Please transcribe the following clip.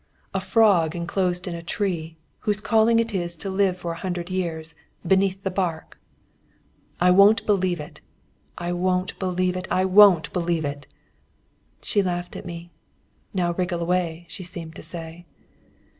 A frog enclosed in a tree, whose calling it is to live for a hundred years beneath the bark! "I won't believe it! I won't believe it! I won't believe it!" She laughed at me. "Now wriggle away!" she seemed to say.